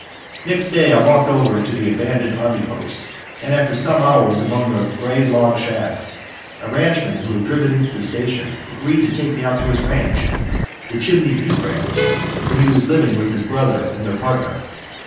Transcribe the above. Next day I walked over to the abandoned army post, and, after some hours among the gray log shacks, a ranchman who had driven into the station agreed to take me out to his ranch, the Chimney Butte ranch, where he was living with his brother and their partner.